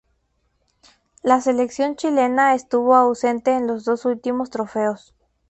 La selección chilena estuvo ausente en los dos últimos trofeos.